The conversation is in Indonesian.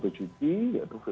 kemarin di motogp